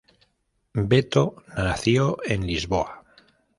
Beto nació en Lisboa.